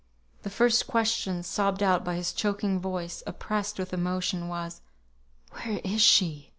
The first question sobbed out by his choking voice, oppressed with emotion, was, "Where is she?"